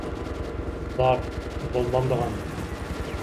بار، بولمامدىغان.